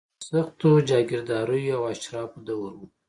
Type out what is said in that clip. د سختو جاګیرداریو او اشرافو دور و.